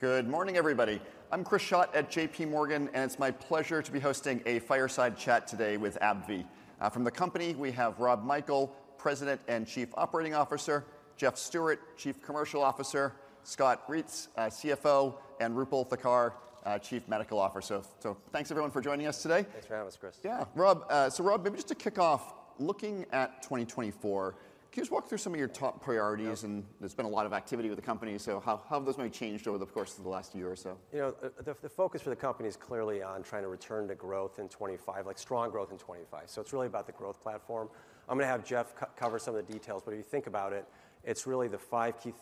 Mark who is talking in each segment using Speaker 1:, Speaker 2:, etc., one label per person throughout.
Speaker 1: Good morning, everybody. I'm Chris Schott at JPMorgan, and it's my pleasure to be hosting a fireside chat today with AbbVie. From the company, we have Rob Michael, President and Chief Operating Officer, Jeff Stewart, Chief Commercial Officer, Scott Reents, CFO, and Roopal Thakkar, Chief Medical Officer. So, thanks everyone for joining us today.
Speaker 2: Thanks for having us, Chris.
Speaker 1: Yeah. Rob, so Rob, maybe just to kick off, looking at 2024, can you just walk through some of your top priorities?
Speaker 2: Yeah.
Speaker 1: There's been a lot of activity with the company, so how, how have those maybe changed over the course of the last year or so?
Speaker 2: You know, the focus for the company is clearly on trying to return to growth in 2025, like strong growth in 2025. So it's really about the growth platform. I'm gonna have Jeff co-cover some of the details, but if you think about it, it's really the five key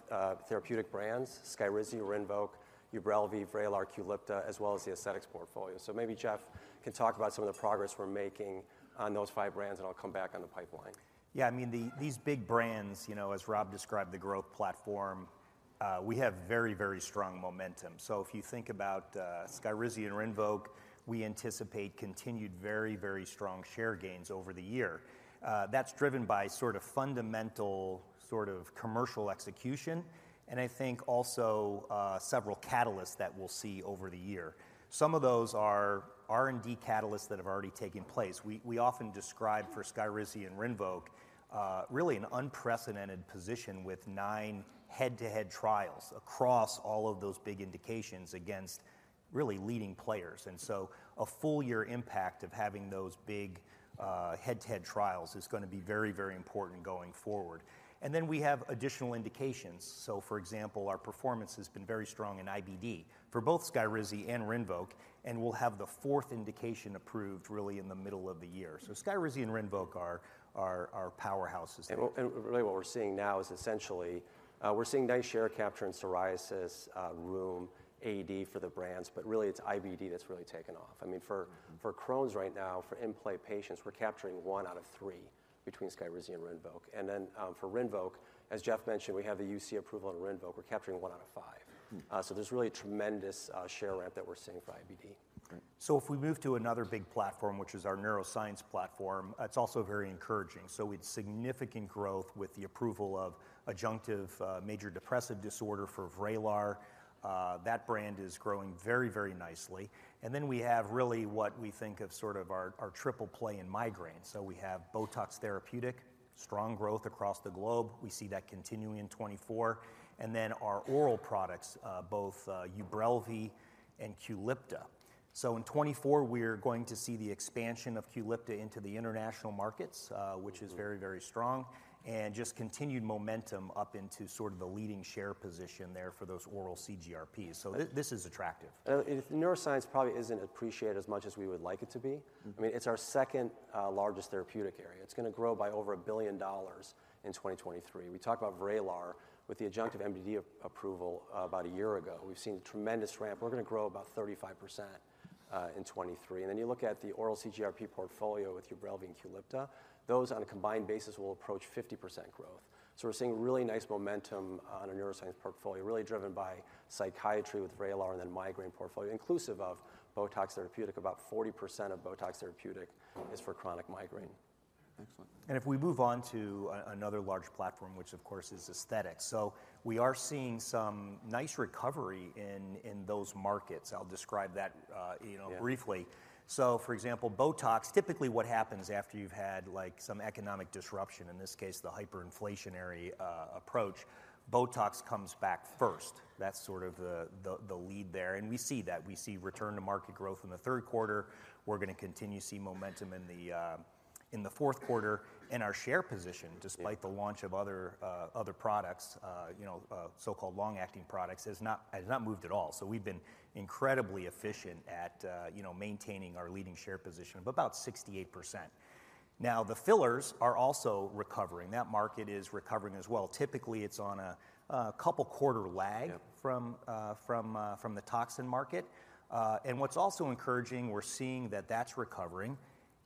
Speaker 2: therapeutic brands, SKYRIZI, RINVOQ, UBRELVY, VRAYLAR, QULIPTA, as well as the Aesthetics portfolio. So maybe Jeff can talk about some of the progress we're making on those five brands, and I'll come back on the pipeline.
Speaker 3: Yeah, I mean, these big brands, you know, as Rob described, the growth platform, we have very, very strong momentum. So if you think about SKYRIZI and RINVOQ, we anticipate continued very, very strong share gains over the year. That's driven by sort of fundamental, sort of commercial execution, and I think also several catalysts that we'll see over the year. Some of those are R&D catalysts that have already taken place. We often describe for SKYRIZI and RINVOQ really an unprecedented position with nine head-to-head trials across all of those big indications against really leading players. And so a full year impact of having those big head-to-head trials is gonna be very, very important going forward. And then we have additional indications. So for example, our performance has been very strong in IBD for both SKYRIZI and RINVOQ, and we'll have the fourth indication approved really in the middle of the year. So SKYRIZI and RINVOQ are powerhouses.
Speaker 2: Really, what we're seeing now is essentially, we're seeing nice share capture in psoriasis, rheum, AD for the brands, but really it's IBD that's really taken off. I mean, for Crohn's right now, for in-place patients, we're capturing one out of three between SKYRIZI and RINVOQ. Then, for RINVOQ, as Jeff mentioned, we have the UC approval on RINVOQ. We're capturing one out of five.
Speaker 3: Hmm.
Speaker 2: There's really a tremendous share ramp that we're seeing for IBD.
Speaker 3: Great. So if we move to another big platform, which is our neuroscience platform, it's also very encouraging. So we had significant growth with the approval of adjunctive major depressive disorder for VRAYLAR. That brand is growing very, very nicely. And then we have really what we think of sort of our triple play in migraine. So we have BOTOX Therapeutic, strong growth across the globe. We see that continuing in 2024. And then our oral products, both UBRELVY and QULIPTA. So in 2024, we're going to see the expansion of QULIPTA into the international markets.
Speaker 2: Mm-hmm...
Speaker 3: which is very, very strong, and just continued momentum up into sort of the leading share position there for those oral CGRPs. So this is attractive.
Speaker 2: Neuroscience probably isn't appreciated as much as we would like it to be.
Speaker 3: Mm-hmm.
Speaker 2: I mean, it's our second largest therapeutic area. It's gonna grow by over $1 billion in 2023. We talked about VRAYLAR with the adjunctive MDD approval about a year ago. We've seen tremendous ramp. We're gonna grow about 35% in 2023. And then you look at the oral CGRP portfolio with UBRELVY and QULIPTA, those on a combined basis will approach 50% growth. So we're seeing really nice momentum on our neuroscience portfolio, really driven by psychiatry with VRAYLAR and then migraine portfolio, inclusive of BOTOX therapeutic. About 40% of BOTOX therapeutic is for chronic migraine.
Speaker 3: Excellent. And if we move on to another large platform, which, of course, is aesthetics. So we are seeing some nice recovery in those markets. I'll describe that.
Speaker 2: Yeah...
Speaker 3: you know, briefly. So for example, BOTOX, typically what happens after you've had, like, some economic disruption, in this case, the hyperinflationary approach, BOTOX comes back first. That's sort of the lead there, and we see that. We see return-to-market growth in the third quarter. We're gonna continue to see momentum in the fourth quarter. And our share position-
Speaker 2: Yeah...
Speaker 3: despite the launch of other, other products, you know, so-called long-acting products, has not, has not moved at all. So we've been incredibly efficient at, you know, maintaining our leading share position of about 68%. Now, the fillers are also recovering. That market is recovering as well. Typically, it's on a, a couple quarter lag-
Speaker 2: Yep...
Speaker 3: from the toxin market. And what's also encouraging, we're seeing that that's recovering,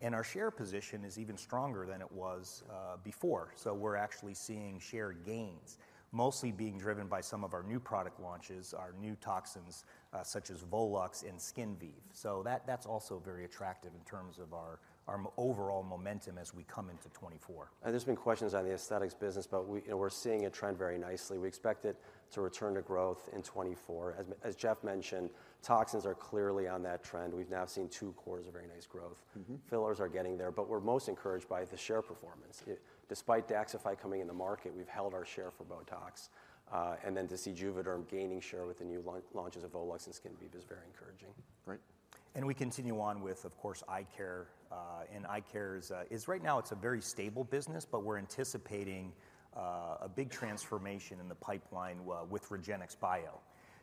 Speaker 3: and our share position is even stronger than it was before. So we're actually seeing share gains, mostly being driven by some of our new product launches, our new toxins, such as VOLUX and SKINVIVE. So that's also very attractive in terms of our overall momentum as we come into 2024.
Speaker 2: There's been questions on the aesthetics business, but we, you know, we're seeing it trend very nicely. We expect it to return to growth in 2024. As Jeff mentioned, toxins are clearly on that trend. We've now seen two quarters of very nice growth.
Speaker 3: Mm-hmm.
Speaker 2: Fillers are getting there, but we're most encouraged by the share performance. Despite Daxxify coming in the market, we've held our share for BOTOX. And then to see JUVEDERM gaining share with the new launches of VOLBELLA and SKINVIVE is very encouraging.
Speaker 3: Great. And we continue on with, of course, eye care. And eye care is right now it's a very stable business, but we're anticipating a big transformation in the pipeline with REGENXBIO.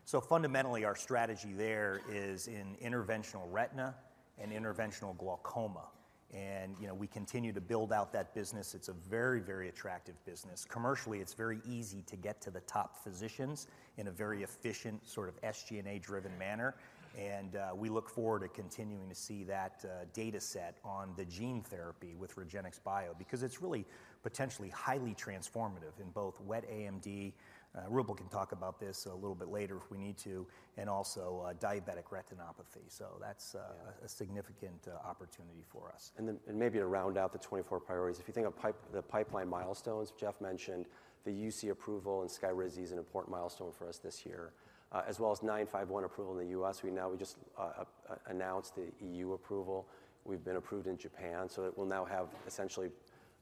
Speaker 3: So fundamentally, our strategy there is in interventional retina and interventional glaucoma. And, you know, we continue to build out that business. It's a very, very attractive business. Commercially, it's very easy to get to the top physicians in a very efficient, sort of SG&A-driven manner. And we look forward to continuing to see that data set on the gene therapy with REGENXBIO, because it's really potentially highly transformative in both wet AMD. Roopal can talk about this a little bit later if we need to, and also diabetic retinopathy. So that's—
Speaker 2: Yeah...
Speaker 3: a significant opportunity for us.
Speaker 2: Maybe to round out the 24 priorities, if you think of the pipeline milestones, Jeff mentioned the UC approval in SKYRIZI is an important milestone for us this year, as well as 951 approval in the U.S. We now just announced the E.U. approval. We've been approved in Japan, so it will now have essentially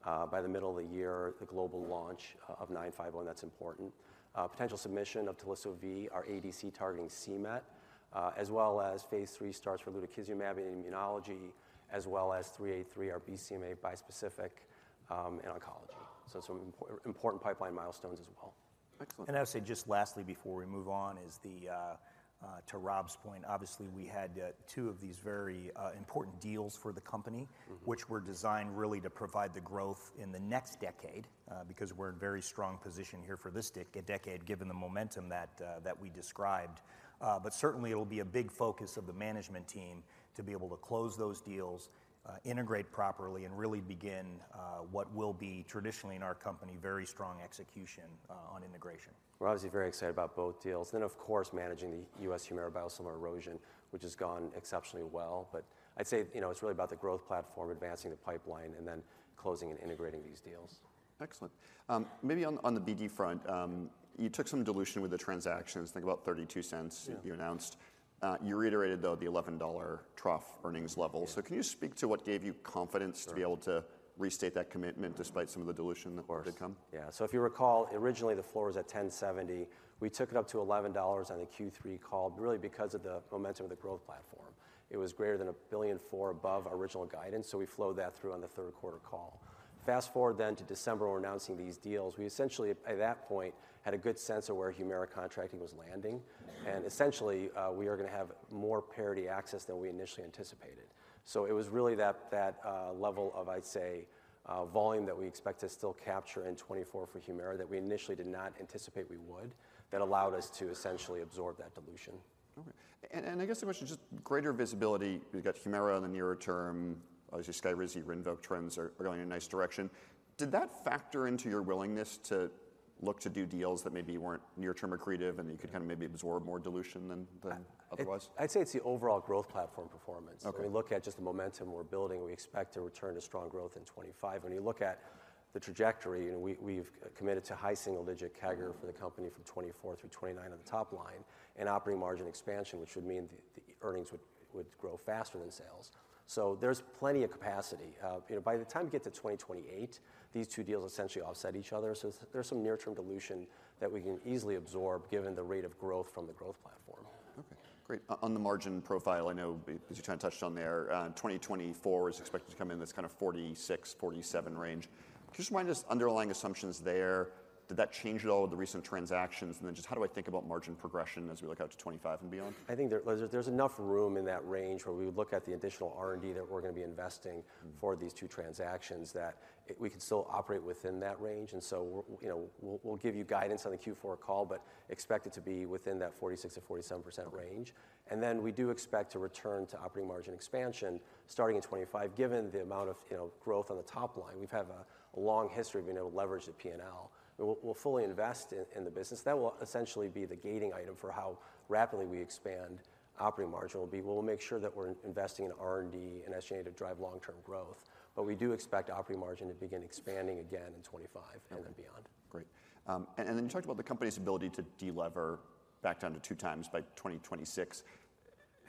Speaker 2: by the middle of the year the global launch of 951. That's important. Potential submission of telisotuzumab vedotin, our ADC targeting c-Met, as well as phase 3 starts for lutikizumab in immunology, as well as 383, our BCMA bispecific in oncology. So some important pipeline milestones as well.
Speaker 1: Excellent.
Speaker 3: I would say, just lastly before we move on, to Rob's point, obviously, we had two of these very important deals for the company-
Speaker 1: Mm-hmm.
Speaker 3: which were designed really to provide the growth in the next decade, because we're in very strong position here for this decade, given the momentum that we described. But certainly, it will be a big focus of the management team to be able to close those deals, integrate properly, and really begin what will be traditionally in our company, very strong execution on integration.
Speaker 2: We're obviously very excited about both deals, then, of course, managing the U.S. HUMIRA biosimilar erosion, which has gone exceptionally well. But I'd say, you know, it's really about the growth platform, advancing the pipeline, and then closing and integrating these deals.
Speaker 1: Excellent. Maybe on, on the BD front, you took some dilution with the transactions, I think about $0.32-
Speaker 2: Yeah.
Speaker 1: You announced. You reiterated, though, the $11 trough earnings level.
Speaker 2: Yeah.
Speaker 1: Can you speak to what gave you confidence?
Speaker 2: Sure...
Speaker 1: to be able to restate that commitment despite some of the dilution that did come?
Speaker 2: Of course. Yeah, so if you recall, originally the floor was at $10.70. We took it up to $11 on the Q3 call, really because of the momentum of the growth platform. It was greater than $1 billion and $4 above our original guidance, so we flowed that through on the third quarter call. Fast-forward then to December, we're announcing these deals. We essentially, at that point, had a good sense of where HUMIRA contracting was landing, and essentially, we are gonna have more parity access than we initially anticipated. So it was really that level of, I'd say, volume that we expect to still capture in 2024 for HUMIRA that we initially did not anticipate we would, that allowed us to essentially absorb that dilution.
Speaker 1: Okay. And I guess the question, just greater visibility. You've got HUMIRA in the nearer term, obviously, SKYRIZI, RINVOQ trends are going in a nice direction. Did that factor into your willingness to look to do deals that maybe weren't near-term accretive?
Speaker 2: Yeah
Speaker 1: And you could kinda maybe absorb more dilution than otherwise?
Speaker 2: I'd say it's the overall growth platform performance.
Speaker 1: Okay.
Speaker 2: So we look at just the momentum we're building, we expect to return to strong growth in 2025. When you look at the trajectory, you know, we've committed to high single-digit CAGR for the company from 2024 through 2029 on the top line, and operating margin expansion, which would mean the earnings would grow faster than sales. So there's plenty of capacity. You know, by the time we get to 2028, these two deals essentially offset each other. So there's some near-term dilution that we can easily absorb, given the rate of growth from the growth platform.
Speaker 1: Okay, great. On the margin profile, I know as you kinda touched on there, 2024 is expected to come in this kinda 46%-47% range. Just remind us, underlying assumptions there, did that change at all with the recent transactions? And then just how do I think about margin progression as we look out to 2025 and beyond?
Speaker 2: I think there's enough room in that range where we would look at the additional R&D that we're gonna be investing-
Speaker 1: Mm-hmm...
Speaker 2: for these two transactions, that we could still operate within that range. And so, you know, we'll give you guidance on the Q4 call, but expect it to be within that 46%-47% range.
Speaker 1: Okay.
Speaker 2: And then we do expect to return to operating margin expansion, starting in 2025. Given the amount of, you know, growth on the top line, we've had a long history of being able to leverage the P&L. We'll fully invest in the business. That will essentially be the gating item for how rapidly we expand operating margin will be. We'll make sure that we're investing in R&D and SGA to drive long-term growth, but we do expect operating margin to begin expanding again in 2025-
Speaker 1: Okay
Speaker 2: and then beyond.
Speaker 1: Great. And then you talked about the company's ability to delever back down to 2x by 2026.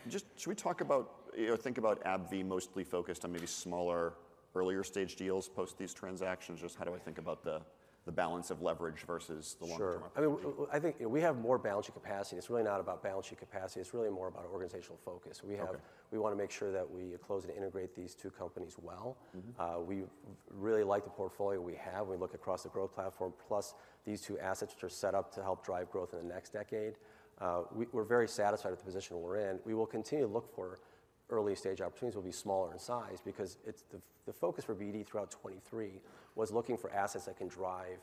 Speaker 1: Just... Should we talk about or think about AbbVie mostly focused on maybe smaller, earlier-stage deals post these transactions? Just how do I think about the, the balance of leverage versus the longer-term opportunity?
Speaker 2: Sure. I mean, I think, we have more balance sheet capacity. It's really not about balance sheet capacity, it's really more about organizational focus.
Speaker 1: Okay.
Speaker 2: We wanna make sure that we close and integrate these two companies well.
Speaker 1: Mm-hmm.
Speaker 2: We really like the portfolio we have. We look across the growth platform, plus these two assets which are set up to help drive growth in the next decade. We're very satisfied with the position we're in. We will continue to look for early-stage opportunities will be smaller in size because it's the... The focus for BD throughout 2023 was looking for assets that can drive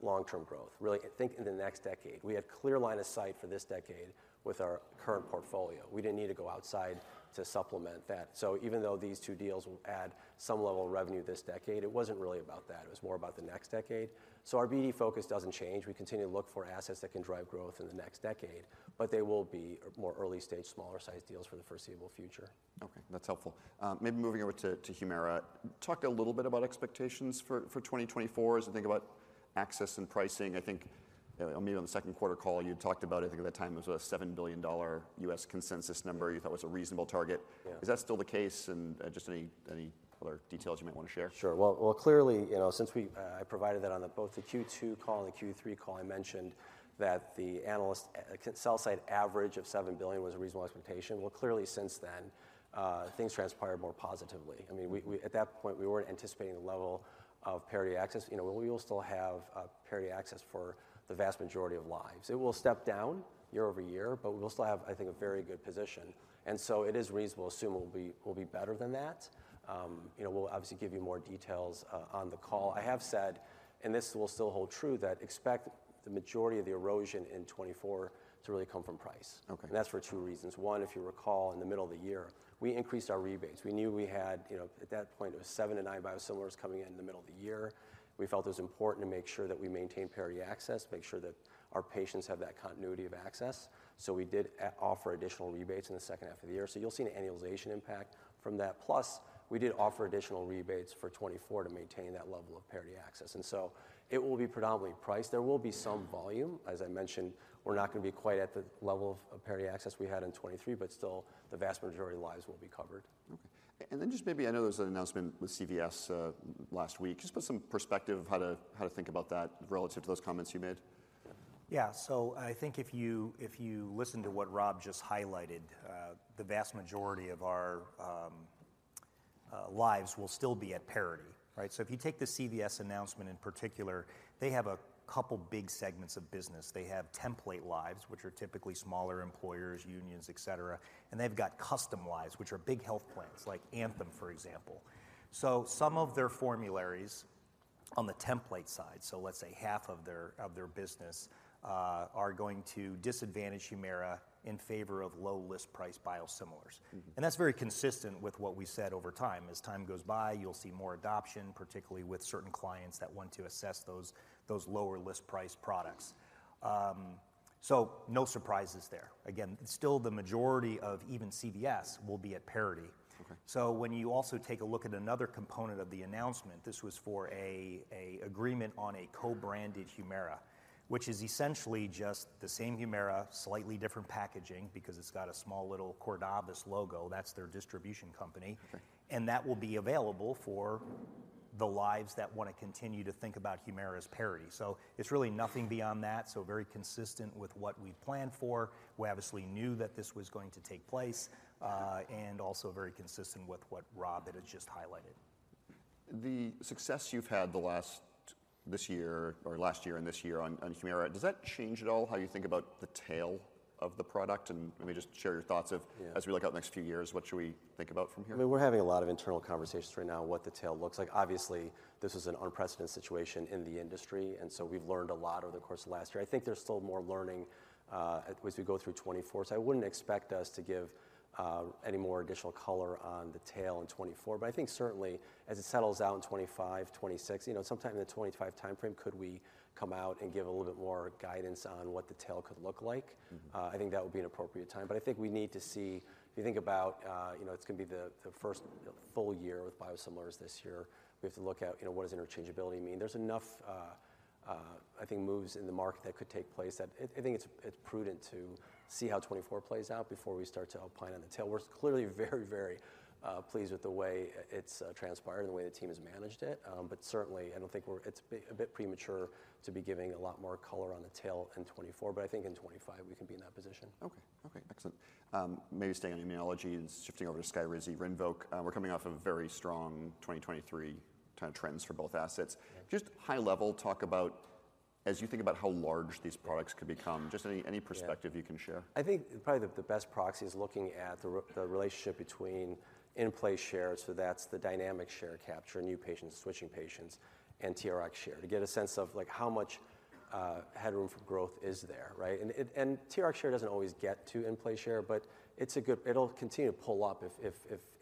Speaker 2: long-term growth, really, think in the next decade. We have clear line of sight for this decade with our current portfolio. We didn't need to go outside to supplement that. So even though these two deals will add some level of revenue this decade, it wasn't really about that, it was more about the next decade. So our BD focus doesn't change. We continue to look for assets that can drive growth in the next decade, but they will be more early-stage, smaller-sized deals for the foreseeable future.
Speaker 1: Okay, that's helpful. Maybe moving over to, to HUMIRA. Talk a little bit about expectations for, for 2024 as we think about access and pricing. I think, maybe on the second quarter call, you talked about, I think, at that time, it was a $7 billion U.S. consensus number you thought was a reasonable target.
Speaker 2: Yeah.
Speaker 1: Is that still the case? And, just any other details you might want to share.
Speaker 2: Sure. Well, well, clearly, you know, since we, I provided that on both the Q2 call and the Q3 call, I mentioned that the analyst sell side average of $7 billion was a reasonable expectation. Well, clearly, since then, things transpired more positively. I mean, we at that point, we weren't anticipating the level of parity access. You know, we will still have parity access for the vast majority of lives. It will step down year-over-year, but we'll still have, I think, a very good position, and so it is reasonable to assume we'll be, we'll be better than that. You know, we'll obviously give you more details on the call. I have said, and this will still hold true, that expect the majority of the erosion in 2024 to really come from price.
Speaker 1: Okay.
Speaker 2: That's for two reasons: one, if you recall, in the middle of the year, we increased our rebates. We knew we had, you know, at that point, it was 7-9 biosimilars coming in the middle of the year. We felt it was important to make sure that we maintain parity access, make sure that our patients have that continuity of access, so we did offer additional rebates in the second half of the year. So you'll see an annualization impact from that. Plus, we did offer additional rebates for 2024 to maintain that level of parity access, and so it will be predominantly price. There will be some volume. As I mentioned, we're not gonna be quite at the level of, of parity access we had in 2023, but still, the vast majority lives will be covered.
Speaker 1: Okay. And then just maybe, I know there was an announcement with CVS last week. Just put some perspective of how to think about that relative to those comments you made.
Speaker 3: Yeah. So I think if you, if you listen to what Rob just highlighted, the vast majority of our lives will still be at parity, right? So if you take the CVS announcement in particular, they have a couple big segments of business. They have template lives, which are typically smaller employers, unions, et cetera, and they've got custom lives, which are big health plans, like Anthem, for example. So some of their formularies on the template side, so let's say half of their, of their business, are going to disadvantage HUMIRA in favor of low list price biosimilars.
Speaker 1: Mm-hmm.
Speaker 3: That's very consistent with what we said over time. As time goes by, you'll see more adoption, particularly with certain clients that want to assess those lower list price products. So no surprises there. Again, still the majority of even CVS will be at parity.
Speaker 1: Okay.
Speaker 3: So when you also take a look at another component of the announcement, this was for an agreement on a co-branded HUMIRA, which is essentially just the same HUMIRA, slightly different packaging because it's got a small little Cordavis logo. That's their distribution company.
Speaker 1: Okay.
Speaker 3: That will be available for the lives that want to continue to think about HUMIRA as parity. So it's really nothing beyond that, so very consistent with what we planned for. We obviously knew that this was going to take place, and also very consistent with what Rob had just highlighted.
Speaker 1: The success you've had this year or last year and this year on, on HUMIRA, does that change at all how you think about the tail of the product? Maybe just share your thoughts of-
Speaker 3: Yeah...
Speaker 1: as we look out the next few years, what should we think about from here?
Speaker 2: I mean, we're having a lot of internal conversations right now, what the tail looks like. Obviously, this is an unprecedented situation in the industry, and so we've learned a lot over the course of last year. I think there's still more learning as we go through 2024. So I wouldn't expect us to give any more additional color on the tail in 2024. But I think certainly as it settles out in 2025, 2026, you know, sometime in the 2025 timeframe, could we come out and give a little bit more guidance on what the tail could look like?
Speaker 1: Mm-hmm.
Speaker 2: I think that would be an appropriate time. But I think we need to see. If you think about, you know, it's gonna be the first, you know, full year with biosimilars this year. We have to look at, you know, what does interchangeability mean? There's enough, I think, moves in the market that could take place, that it, I think it's prudent to see how 2024 plays out before we start to opine on the tail. We're clearly very, very, pleased with the way it's transpired and the way the team has managed it. But certainly, I don't think it's a bit premature to be giving a lot more color on the tail in 2024, but I think in 2025, we can be in that position.
Speaker 1: Okay. Okay, excellent. Maybe staying on immunology and shifting over to SKYRIZI, RINVOQ. We're coming off a very strong 2023 kind of trends for both assets.
Speaker 2: Yeah.
Speaker 1: Just high level, talk about, as you think about how large these products could become, just any, any perspective-
Speaker 2: Yeah...
Speaker 1: you can share.
Speaker 2: I think probably the best proxy is looking at the relationship between in-place shares, so that's the dynamic share capture, new patients, switching patients, and TRx share, to get a sense of, like, how much head room for growth is there, right? And TRx share doesn't always get to in-place share, but it'll continue to pull up if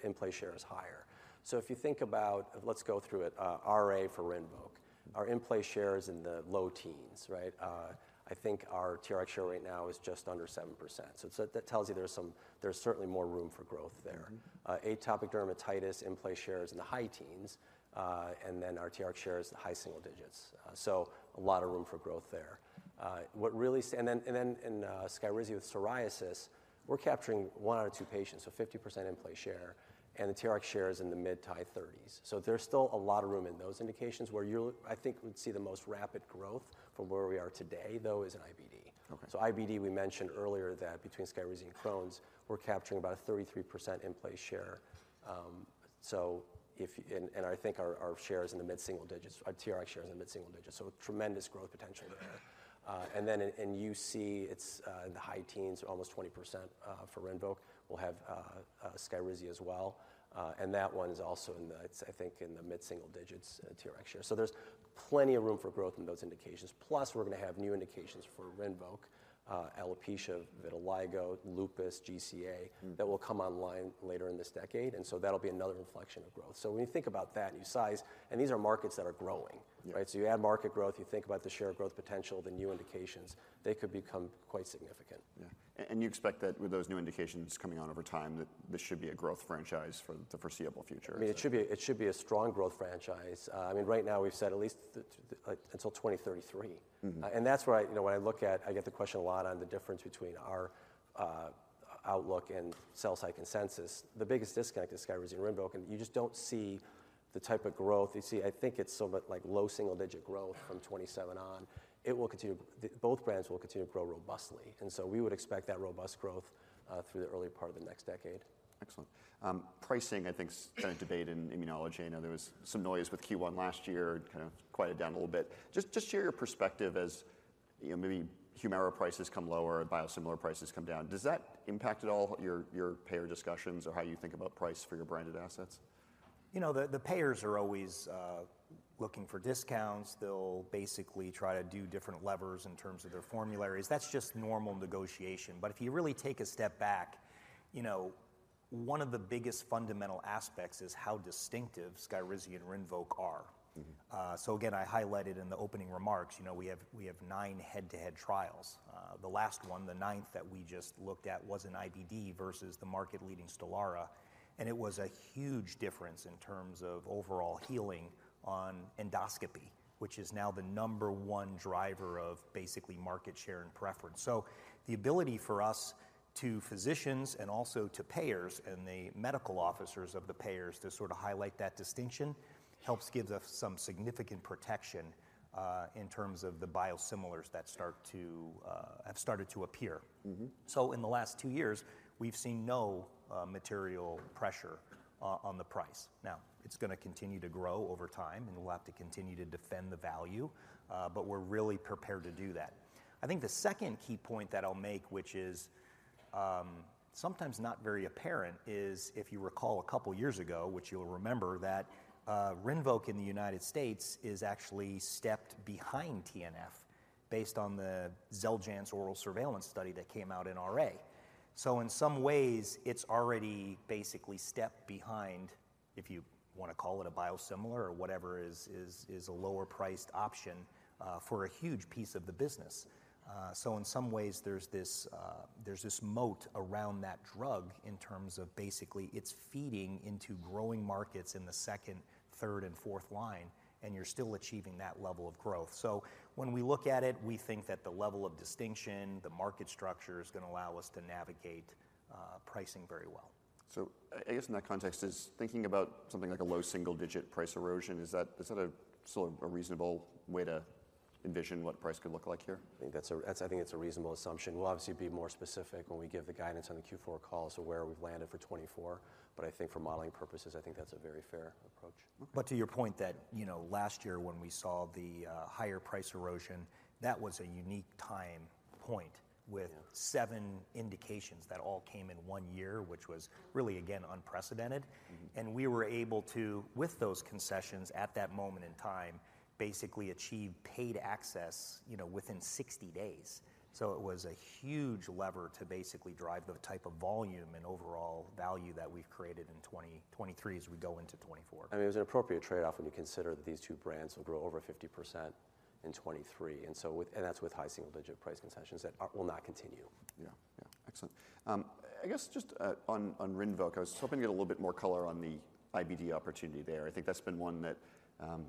Speaker 2: in-place share is higher. So if you think about, let's go through it, RA for RINVOQ. Our in-place share is in the low teens, right? I think our TRx share right now is just under 7%. So that tells you there's certainly more room for growth there.
Speaker 1: Mm-hmm. Atopic dermatitis, in-place share is in the high teens, and then our TRx share is the high single digits. So a lot of room for growth there. And then in SKYRIZI with psoriasis, we're capturing one out of two patients, so 50% in-place share, and the TRx share is in the mid- to high 30s. So there's still a lot of room in those indications. Where you'll, I think, would see the most rapid growth from where we are today, though, is in IBD. Okay. So IBD, we mentioned earlier that between SKYRIZI and Crohn's, we're capturing about a 33% in-place share. So if and I think our share is in the mid-single digits, our TRx share is in the mid-single digits, so tremendous growth potential there. Mm-hmm.
Speaker 3: And then in UC, it's in the high teens, almost 20% for RINVOQ. We'll have SKYRIZI as well, and that one is also in the. It's, I think, in the mid-single digits TRx share. So there's plenty of room for growth in those indications. Plus, we're gonna have new indications for RINVOQ, alopecia, vitiligo, lupus, GCA-
Speaker 1: Mm...
Speaker 3: that will come online later in this decade, and so that'll be another inflection of growth. So when you think about that, new size, and these are markets that are growing-
Speaker 1: Yeah...
Speaker 2: right? So you add market growth, you think about the share growth potential, the new indications, they could become quite significant.
Speaker 1: Yeah. And, and you expect that with those new indications coming on over time, that this should be a growth franchise for the foreseeable future, is it?
Speaker 2: I mean, it should be, it should be a strong growth franchise. I mean, right now, we've said at least the, until 2033.
Speaker 1: Mm-hmm.
Speaker 2: And that's where I, you know, when I look at... I get the question a lot on the difference between our outlook and sell-side consensus. The biggest disconnect is SKYRIZI and RINVOQ, and you just don't see the type of growth. You see, I think it's somewhat like low single-digit growth from 27 on. It will continue—the both brands will continue to grow robustly, and so we would expect that robust growth through the early part of the next decade.
Speaker 1: Excellent. Pricing, I think, is kind of debate in immunology. I know there was some noise with Q1 last year, it kind of quieted down a little bit. Just share your perspective as, you know, maybe HUMIRA prices come lower and biosimilar prices come down. Does that impact at all your payer discussions or how you think about price for your branded assets?
Speaker 3: You know, the payers are always looking for discounts. They'll basically try to do different levers in terms of their formularies. That's just normal negotiation. But if you really take a step back, you know, one of the biggest fundamental aspects is how distinctive SKYRIZI and RINVOQ are.
Speaker 1: Mm-hmm.
Speaker 3: So again, I highlighted in the opening remarks, you know, we have, we have nine head-to-head trials. The last one, the ninth that we just looked at, was an IBD versus the market-leading STELARA, and it was a huge difference in terms of overall healing on endoscopy, which is now the number one driver of basically market share and preference. So the ability for us-... to physicians and also to payers and the medical officers of the payers to sort of highlight that distinction, helps gives us some significant protection, in terms of the biosimilars that start to, have started to appear.
Speaker 1: Mm-hmm.
Speaker 3: So in the last two years, we've seen no material pressure on the price. Now, it's gonna continue to grow over time, and we'll have to continue to defend the value, but we're really prepared to do that. I think the second key point that I'll make, which is sometimes not very apparent, is if you recall a couple of years ago, which you'll remember, that RINVOQ in the United States is actually stepped behind TNF based on the Xeljanz oral surveillance study that came out in RA. So in some ways, it's already basically stepped behind, if you wanna call it a biosimilar or whatever is a lower-priced option for a huge piece of the business. So in some ways, there's this moat around that drug in terms of basically it's feeding into growing markets in the second, third, and fourth line, and you're still achieving that level of growth. So when we look at it, we think that the level of distinction, the market structure is gonna allow us to navigate pricing very well.
Speaker 1: So I guess in that context, is thinking about something like a low single-digit price erosion, is that, is that a sort of a reasonable way to envision what price could look like here?
Speaker 2: I think that's a reasonable assumption. We'll obviously be more specific when we give the guidance on the Q4 call, so where we've landed for 2024. But I think for modeling purposes, I think that's a very fair approach.
Speaker 3: But to your point that, you know, last year when we saw the, higher price erosion, that was a unique time point-
Speaker 1: Yeah...
Speaker 3: with seven indications that all came in one year, which was really, again, unprecedented.
Speaker 1: Mm-hmm.
Speaker 3: We were able to, with those concessions at that moment in time, basically achieve paid access, you know, within 60 days. So it was a huge lever to basically drive the type of volume and overall value that we've created in 2023 as we go into 2024.
Speaker 2: I mean, it was an appropriate trade-off when you consider that these two brands will grow over 50% in 2023, and so that's with high single-digit price concessions that will not continue.
Speaker 1: Yeah. Yeah. Excellent. I guess just on RINVOQ, I was hoping to get a little bit more color on the IBD opportunity there. I think that's been one that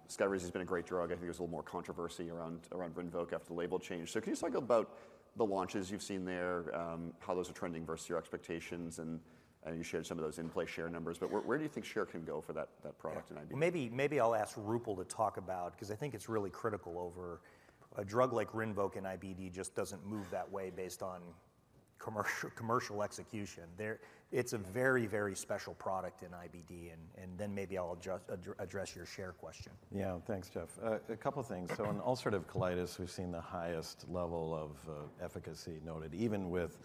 Speaker 1: SKYRIZI has been a great drug. I think there's a little more controversy around, around RINVOQ after the label change. So can you just talk about the launches you've seen there, how those are trending versus your expectations? And you shared some of those in-place share numbers, but where do you think share can go for that product in IBD?
Speaker 3: Maybe I'll ask Roopal to talk about... 'Cause I think it's really critical over a drug like RINVOQ and IBD just doesn't move that way based on commercial execution. It's a very, very special product in IBD, and then maybe I'll address your share question.
Speaker 4: Yeah. Thanks, Jeff. A couple of things.
Speaker 1: Mm-hmm.
Speaker 4: So in ulcerative colitis, we've seen the highest level of efficacy noted. Even with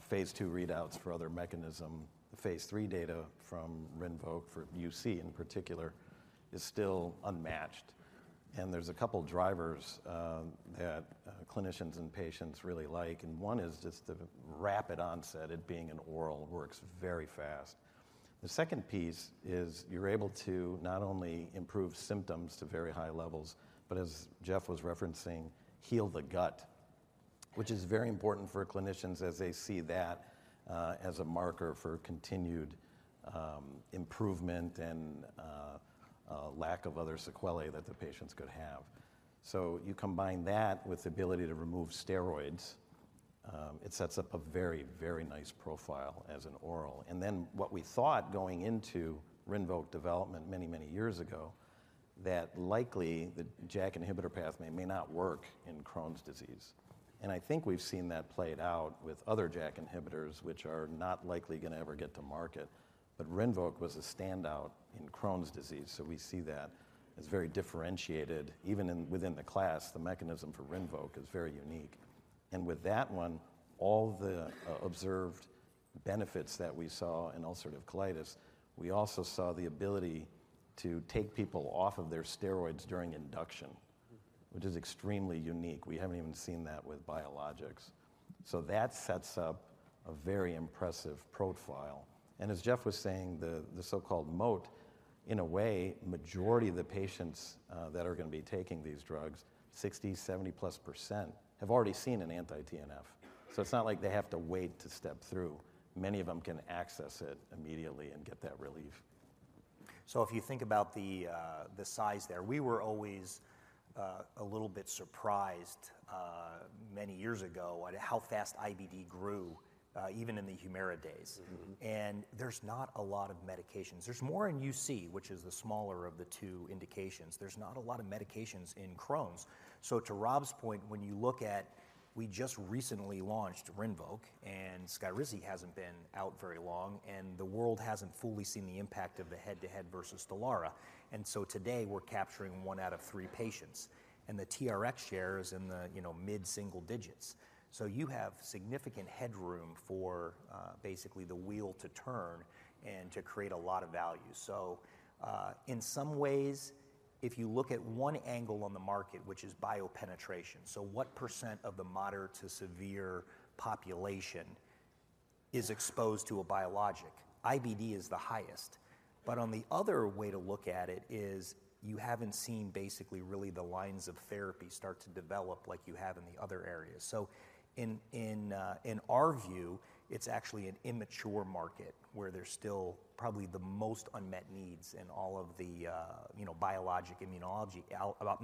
Speaker 4: phase 2 readouts for other mechanism, phase 3 data from RINVOQ, for UC in particular, is still unmatched. And there's a couple of drivers that clinicians and patients really like, and one is just the rapid onset. It being an oral, works very fast. The second piece is you're able to not only improve symptoms to very high levels, but as Jeff was referencing, heal the gut, which is very important for clinicians as they see that as a marker for continued improvement and lack of other sequelae that the patients could have. So you combine that with the ability to remove steroids, it sets up a very, very nice profile as an oral. And then what we thought going into RINVOQ development many, many years ago, that likely the JAK inhibitor pathway may not work in Crohn's disease. And I think we've seen that played out with other JAK inhibitors, which are not likely gonna ever get to market. But RINVOQ was a standout in Crohn's disease, so we see that as very differentiated. Even within the class, the mechanism for RINVOQ is very unique. And with that one, all the observed benefits that we saw in ulcerative colitis, we also saw the ability to take people off of their steroids during induction-
Speaker 1: Mm-hmm...
Speaker 4: which is extremely unique. We haven't even seen that with biologics. So that sets up a very impressive profile. And as Jeff was saying, the so-called moat, in a way, majority of the patients that are gonna be taking these drugs, 60%-70%+, have already seen an anti-TNF. So it's not like they have to wait to step through. Many of them can access it immediately and get that relief.
Speaker 3: So if you think about the size there, we were always a little bit surprised, many years ago, at how fast IBD grew, even in the HUMIRA days.
Speaker 1: Mm-hmm.
Speaker 3: There's not a lot of medications. There's more in UC, which is the smaller of the two indications. There's not a lot of medications in Crohn's. So to Rob's point, when you look at, we just recently launched RINVOQ, and SKYRIZI hasn't been out very long, and the world hasn't fully seen the impact of the head-to-head versus STELARA. So today we're capturing one out of three patients, and the TRX share is in the, you know, mid-single digits. So you have significant headroom for, basically the wheel to turn and to create a lot of value. So, in some ways, if you look at one angle on the market, which is biopenetration, so what percent of the moderate to severe population-... is exposed to a biologic. IBD is the highest, but on the other way to look at it is, you haven't seen basically really the lines of therapy start to develop like you have in the other areas. So in our view, it's actually an immature market, where there's still probably the most unmet needs in all of the, you know, biologic immunology,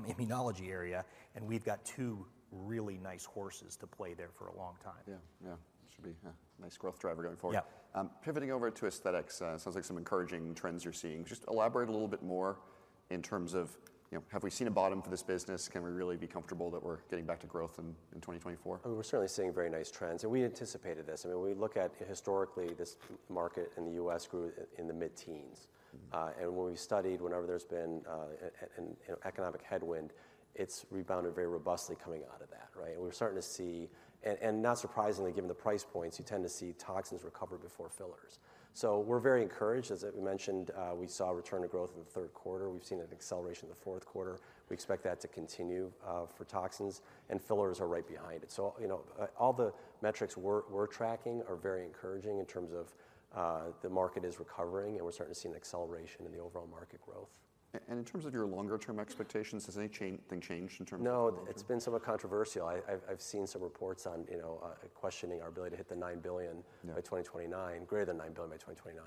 Speaker 3: immunology area, and we've got two really nice horses to play there for a long time.
Speaker 1: Yeah. Yeah. Should be a nice growth driver going forward.
Speaker 2: Yeah.
Speaker 1: Pivoting over to aesthetics, sounds like some encouraging trends you're seeing. Just elaborate a little bit more in terms of, you know, have we seen a bottom for this business? Can we really be comfortable that we're getting back to growth in 2024?
Speaker 2: We're certainly seeing very nice trends, and we anticipated this. I mean, when we look at historically, this market in the U.S. grew in the mid-teens. And when we studied, whenever there's been, you know, economic headwind, it's rebounded very robustly coming out of that, right? We're starting to see, and not surprisingly, given the price points, you tend to see toxins recover before fillers. So we're very encouraged. As I mentioned, we saw a return of growth in the third quarter. We've seen an acceleration in the fourth quarter. We expect that to continue for toxins, and fillers are right behind it. So you know, all the metrics we're tracking are very encouraging in terms of, the market is recovering, and we're starting to see an acceleration in the overall market growth.
Speaker 1: And in terms of your longer-term expectations, has anything changed in terms of-
Speaker 2: No, it's been somewhat controversial. I've seen some reports on, you know, questioning our ability to hit the $9 billion-
Speaker 1: Yeah...
Speaker 2: by 2029, greater than $9 billion by 2029.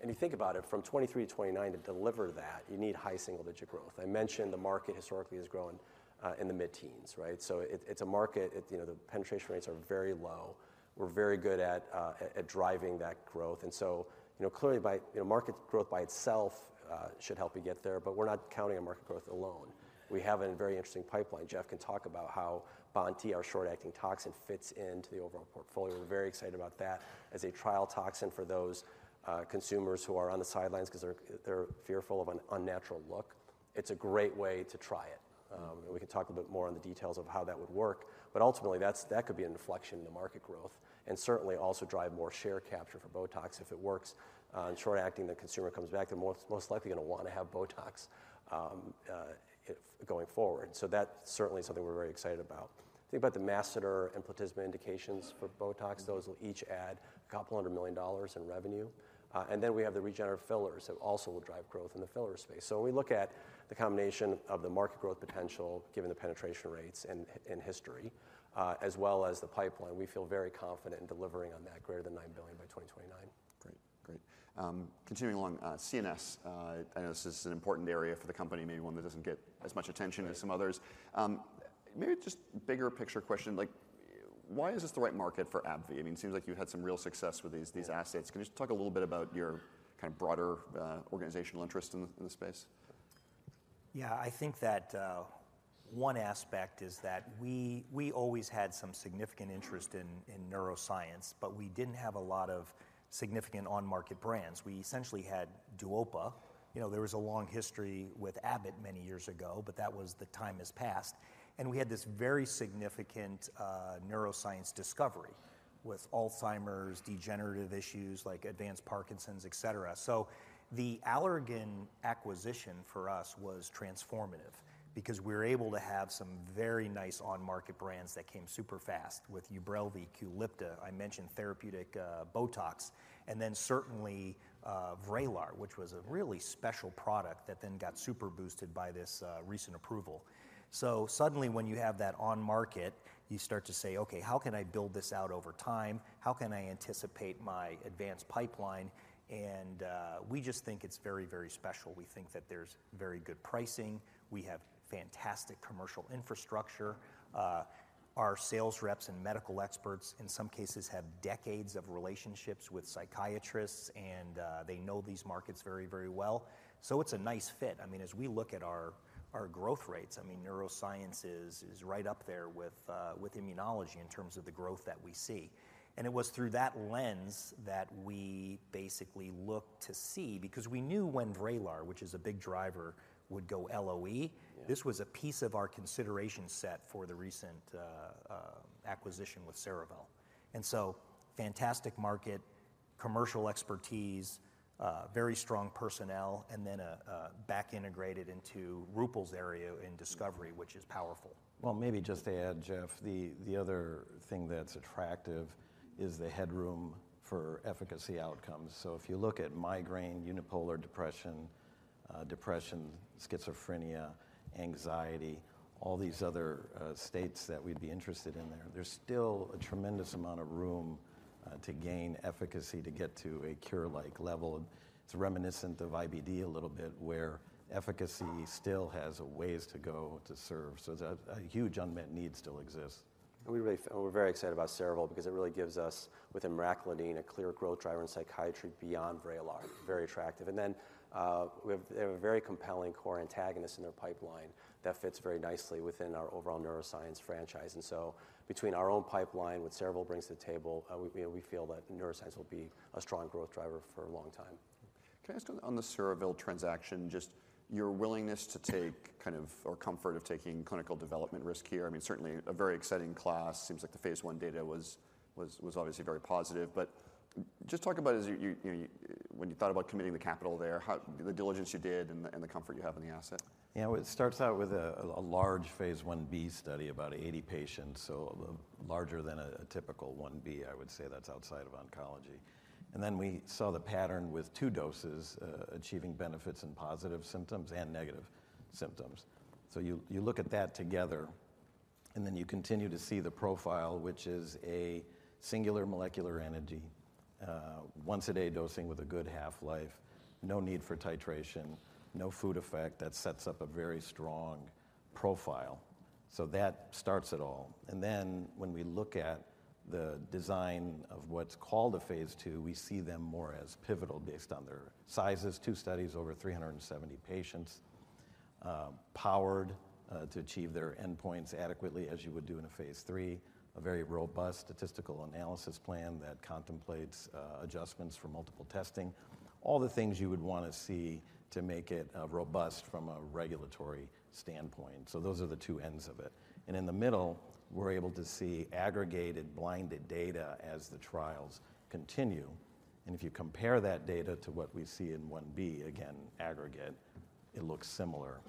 Speaker 2: And you think about it, from 2023 to 2029, to deliver that, you need high single-digit growth. I mentioned the market historically has grown in the mid-teens, right? So it's a market, you know, the penetration rates are very low. We're very good at driving that growth. And so, you know, clearly by, you know, market growth by itself should help you get there, but we're not counting on market growth alone. We have a very interesting pipeline. Jeff can talk about how Bonti, our short-acting toxin, fits into the overall portfolio. We're very excited about that. As a trial toxin for those consumers who are on the sidelines because they're fearful of an unnatural look, it's a great way to try it. And we can talk a bit more on the details of how that would work, but ultimately, that could be an inflection in the market growth, and certainly also drive more share capture for BOTOX if it works. In short-acting, the consumer comes back, they're most likely going to want to have BOTOX going forward. So that's certainly something we're very excited about. Think about the masseter and platysma indications for BOTOX. Those will each add $200 million in revenue. And then we have the regenerative fillers that also will drive growth in the filler space. So we look at the combination of the market growth potential, given the penetration rates and history, as well as the pipeline. We feel very confident in delivering on that greater than $9 billion by 2029.
Speaker 1: Great. Great. Continuing along, CNS, I know this is an important area for the company, maybe one that doesn't get as much attention as some others.
Speaker 2: Yeah.
Speaker 1: Maybe just bigger picture question, like, why is this the right market for AbbVie? I mean, it seems like you had some real success with these assets. Can you just talk a little bit about your kind of broader organizational interest in the space?
Speaker 3: Yeah, I think that one aspect is that we, we always had some significant interest in, in neuroscience, but we didn't have a lot of significant on-market brands. We essentially had DUOPA. You know, there was a long history with Abbott many years ago, but that was the time has passed. And we had this very significant neuroscience discovery with Alzheimer's, degenerative issues like advanced Parkinson's, et cetera. So the Allergan acquisition for us was transformative because we're able to have some very nice on-market brands that came super fast with UBRELVY, QULIPTA, I mentioned therapeutic BOTOX, and then certainly VRAYLAR, which was a really special product that then got super boosted by this recent approval. So suddenly, when you have that on market, you start to say, "Okay, how can I build this out over time? How can I anticipate my advanced pipeline?" And we just think it's very, very special. We think that there's very good pricing. We have fantastic commercial infrastructure. Our sales reps and medical experts, in some cases, have decades of relationships with psychiatrists, and they know these markets very, very well. So it's a nice fit. I mean, as we look at our growth rates, I mean, neuroscience is right up there with immunology in terms of the growth that we see. And it was through that lens that we basically looked to see, because we knew when VRAYLAR, which is a big driver, would go LOE-
Speaker 1: Yeah
Speaker 3: This was a piece of our consideration set for the recent acquisition with Cerevel. And so fantastic market, commercial expertise, very strong personnel, and then a back integrated into Roopal's area in discovery-
Speaker 2: Mm-hmm...
Speaker 3: which is powerful.
Speaker 2: Well, maybe just to add, Jeff, the other thing that's attractive is the headroom for efficacy outcomes. So if you look at migraine, unipolar depression, depression, schizophrenia, anxiety, all these other states that we'd be interested in there, there's still a tremendous amount of room to gain efficacy to get to a cure-like level. It's reminiscent of IBD a little bit where efficacy still has a ways to go to serve. So a huge unmet need still exists.
Speaker 1: We're very excited about Cerevel because it really gives us, with Emraclidine, a clear growth driver in psychiatry beyond VRAYLAR. Very attractive. And then, they have a very compelling KOR antagonist in their pipeline that fits very nicely within our overall neuroscience franchise. And so between our own pipeline, what Cerevel brings to the table, we feel that neuroscience will be a strong growth driver for a long time. Can I ask on the Cerevel transaction, just your willingness to take kind of, or comfort of taking clinical development risk here? I mean, certainly, a very exciting class. Seems like the phase 1 data was obviously very positive, but- ... Just talk about as you when you thought about committing the capital there, how the diligence you did and the comfort you have in the asset.
Speaker 4: Yeah, well, it starts out with a large phase Ib study, about 80 patients, so larger than a typical Ib. I would say that's outside of oncology. And then we saw the pattern with two doses achieving benefits in positive symptoms and negative symptoms. So you look at that together, and then you continue to see the profile, which is a singular molecular entity, once-a-day dosing with a good half-life, no need for titration, no food effect. That sets up a very strong profile. So that starts it all. And then when we look at the design of what's called a phase II, we see them more as pivotal based on their sizes. Two studies, over 370 patients, powered to achieve their endpoints adequately, as you would do in a phase III. A very robust statistical analysis plan that contemplates, adjustments for multiple testing, all the things you would want to see to make it, robust from a regulatory standpoint. So those are the two ends of it. And in the middle, we're able to see aggregated, blinded data as the trials continue, and if you compare that data to what we see in Ib, again, aggregate, it looks similar,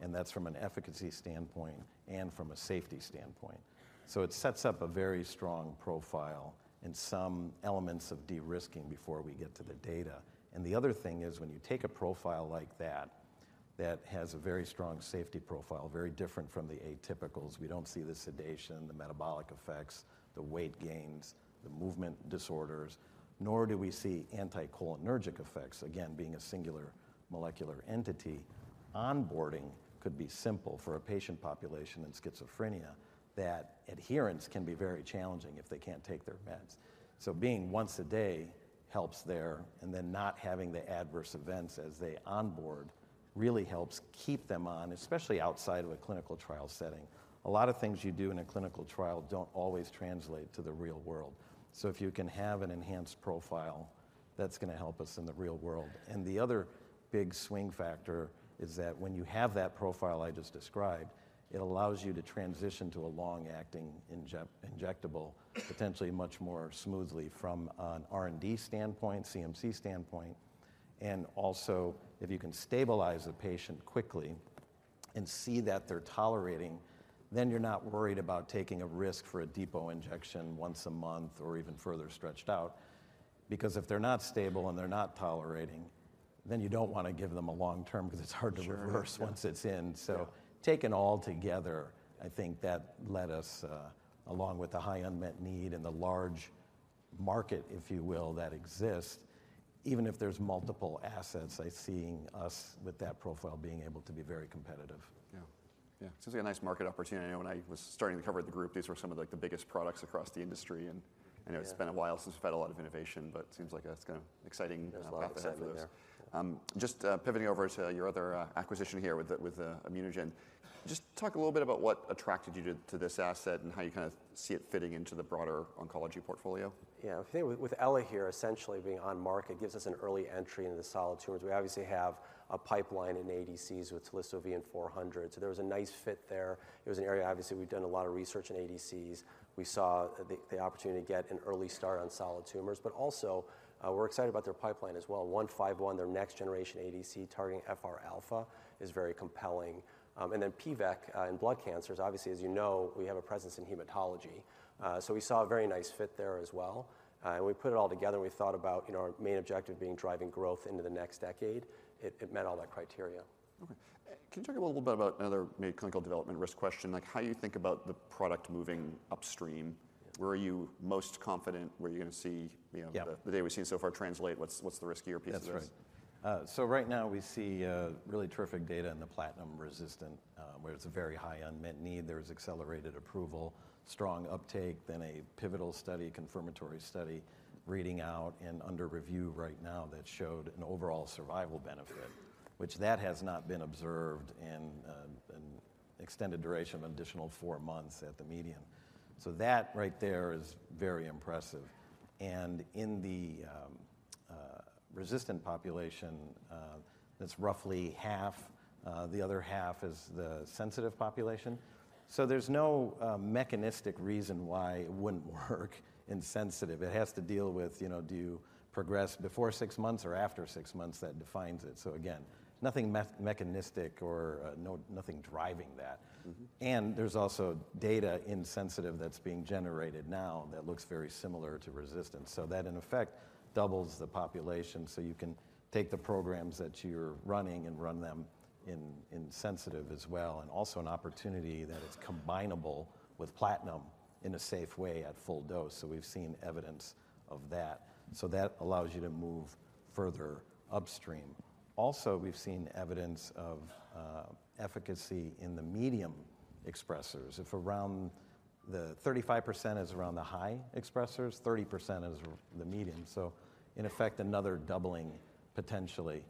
Speaker 4: and that's from an efficacy standpoint and from a safety standpoint. So it sets up a very strong profile and some elements of de-risking before we get to the data. And the other thing is, when you take a profile like that, that has a very strong safety profile, very different from the atypicals. We don't see the sedation, the metabolic effects, the weight gains, the movement disorders, nor do we see anticholinergic effects. Again, being a singular molecular entity, onboarding could be simple for a patient population in schizophrenia, that adherence can be very challenging if they can't take their meds. So being once a day helps there, and then not having the adverse events as they onboard really helps keep them on, especially outside of a clinical trial setting. A lot of things you do in a clinical trial don't always translate to the real world. So if you can have an enhanced profile, that's gonna help us in the real world. And the other big swing factor is that when you have that profile I just described, it allows you to transition to a long-acting injectable, potentially much more smoothly from an R&D standpoint, CMC standpoint. Also, if you can stabilize the patient quickly and see that they're tolerating, then you're not worried about taking a risk for a depot injection once a month or even further stretched out. Because if they're not stable and they're not tolerating, then you don't want to give them a long-term because it's hard to reverse.
Speaker 1: Sure...
Speaker 4: once it's in.
Speaker 1: Yeah.
Speaker 4: So taken all together, I think that led us, along with the high unmet need and the large market, if you will, that exists, even if there's multiple assets, I seeing us with that profile being able to be very competitive.
Speaker 1: Yeah. Yeah. Seems like a nice market opportunity. I know when I was starting to cover the group, these were some of, like, the biggest products across the industry, and-
Speaker 4: Yeah...
Speaker 1: I know it's been a while since we've had a lot of innovation, but it seems like that's kind of exciting.
Speaker 4: There's a lot there.
Speaker 1: Just pivoting over to your other acquisition here with the ImmunoGen. Just talk a little bit about what attracted you to this asset and how you kind of see it fitting into the broader oncology portfolio.
Speaker 2: Yeah. I think with ELAHERE here, essentially being on market gives us an early entry into the solid tumors. We obviously have a pipeline in ADCs with telisotuzumab vedotin 400. So there was a nice fit there. It was an area, obviously, we've done a lot of research in ADCs. We saw the opportunity to get an early start on solid tumors, but also, we're excited about their pipeline as well. 151, their next generation ADC, targeting FR alpha, is very compelling. And then pivekimab in blood cancers, obviously, as you know, we have a presence in hematology. So we saw a very nice fit there as well, and we put it all together, and we thought about, you know, our main objective being driving growth into the next decade. It met all that criteria.
Speaker 1: Okay. Can you talk a little bit about another maybe clinical development risk question? Like, how you think about the product moving upstream.
Speaker 2: Yeah.
Speaker 1: Where are you most confident? Where are you gonna see, you know-
Speaker 2: Yeah...
Speaker 1: the data we've seen so far translate? What's, what's the riskier piece of this?
Speaker 4: That's right. So right now we see really terrific data in the platinum resistant, where it's a very high unmet need. There is accelerated approval, strong uptake, then a pivotal study, confirmatory study, reading out and under review right now that showed an overall survival benefit, which that has not been observed in an extended duration of an additional four months at the median. So that right there is very impressive. And in the resistant population, that's roughly half, the other half is the sensitive population. So there's no mechanistic reason why it wouldn't work in sensitive. It has to deal with, you know, do you progress before six months or after six months? That defines it. So again, nothing mechanistic or nothing driving that.
Speaker 1: Mm-hmm.
Speaker 4: There's also data in sensitive that's being generated now that looks very similar to resistant. So that, in effect, doubles the population. So you can take the programs that you're running and run them in sensitive as well, and also an opportunity that it's combinable with platinum in a safe way at full dose. So we've seen evidence of that. So that allows you to move further upstream. Also, we've seen evidence of efficacy in the medium expressers. If around the 35% is around the high expressers, 30% is the medium, so in effect, another doubling, potentially.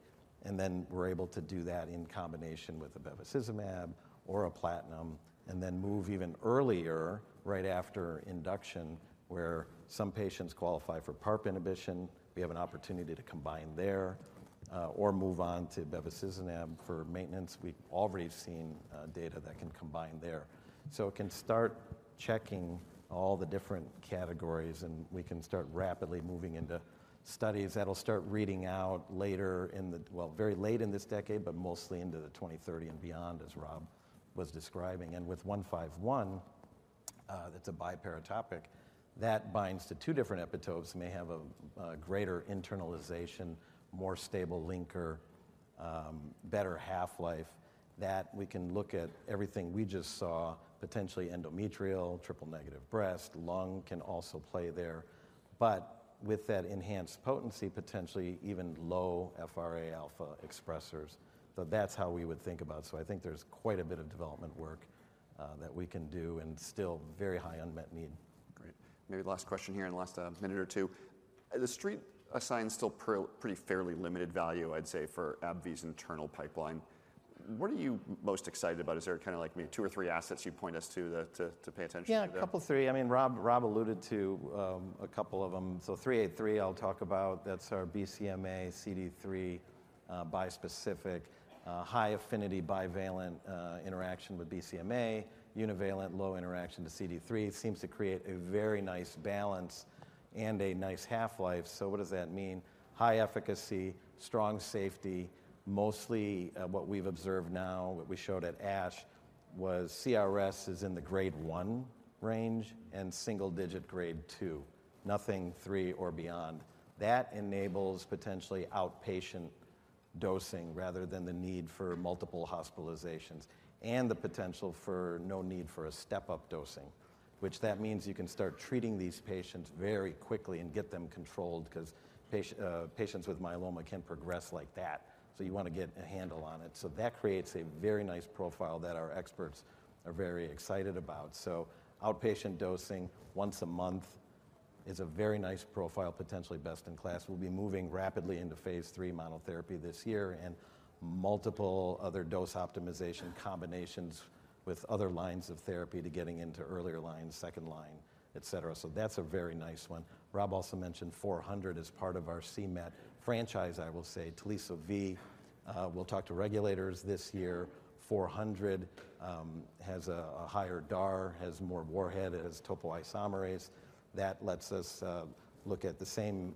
Speaker 4: And then we're able to do that in combination with a bevacizumab or a platinum, and then move even earlier, right after induction, where some patients qualify for PARP inhibition. We have an opportunity to combine there, or move on to bevacizumab for maintenance. We've already seen data that can combine there. So it can start checking all the different categories, and we can start rapidly moving into studies that'll start reading out later in the... Well, very late in this decade, but mostly into the 2030s and beyond, as Rob was describing. And with 151, that's a biparatopic that binds to two different epitopes, may have a greater internalization, more stable linker, better half-life, that we can look at everything we just saw, potentially endometrial, triple-negative breast, lung can also play there. But with that enhanced potency, potentially even low FRα expressers. So that's how we would think about. So I think there's quite a bit of development work that we can do and still very high unmet need.
Speaker 1: Great. Maybe last question here in the last minute or two. The street assigns still pretty fairly limited value, I'd say, for AbbVie's internal pipeline. What are you most excited about? Is there kind of like maybe two or three assets you'd point us to, to pay attention to?
Speaker 4: Yeah, a couple, three. I mean, Rob, Rob alluded to a couple of them. So 383, I'll talk about, that's our BCMA CD3 bispecific, high-affinity bivalent interaction with BCMA, univalent low interaction to CD3. It seems to create a very nice balance and a nice half-life. So what does that mean? High efficacy, strong safety, mostly what we've observed now, what we showed at ASH, was CRS is in the grade one range and single-digit grade two, nothing three or beyond. That enables potentially outpatient dosing rather than the need for multiple hospitalizations, and the potential for no need for a step-up dosing, which that means you can start treating these patients very quickly and get them controlled because patients with myeloma can progress like that, so you want to get a handle on it. So that creates a very nice profile that our experts are very excited about. Outpatient dosing once a month is a very nice profile, potentially best in class. We'll be moving rapidly into phase 3 monotherapy this year and multiple other dose optimization combinations with other lines of therapy to getting into earlier lines, second line, et cetera. So that's a very nice one. Rob also mentioned 400 as part of our cMet franchise. I will say telisotuzumab vedotin will talk to regulators this year. 400 has a higher DAR, has more warhead, it has topoisomerase. That lets us look at the same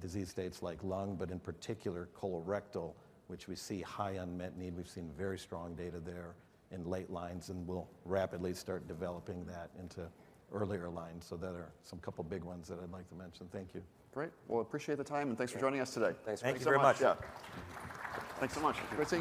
Speaker 4: disease states like lung, but in particular, colorectal, which we see high unmet need. We've seen very strong data there in late lines, and we'll rapidly start developing that into earlier lines. So those are a couple of big ones that I'd like to mention. Thank you.
Speaker 1: Great. Well, appreciate the time, and thanks for joining us today.
Speaker 4: Thanks.
Speaker 3: Thank you very much.
Speaker 1: Yeah. Thanks so much. Good to-